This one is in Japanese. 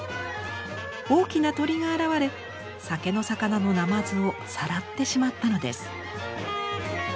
大きな鳥が現れ酒の肴の鯰をさらってしまったのです。